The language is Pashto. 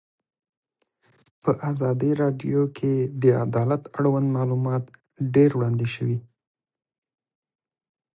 په ازادي راډیو کې د عدالت اړوند معلومات ډېر وړاندې شوي.